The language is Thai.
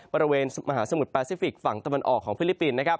บริเวณมหาสมุทรแปซิฟิกฝั่งตะวันออกของฟิลิปปินส์